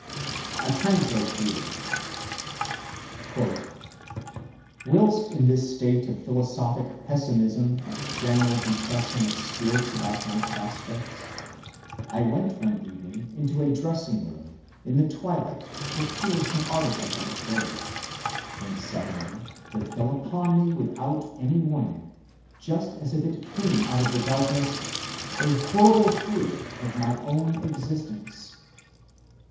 I translate freely. "Whilst in this state of philosophic pessimism and general depression of spirits about my prospects, I went one evening into a dressing‐room in the twilight to procure some article that was there; when suddenly there fell upon me without any warning, just as if it came out of the darkness, a horrible fear of my own existence.